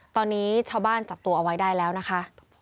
ตอนนี้ชาวบ้านจับตัวเอาไว้ได้แล้วนะคะ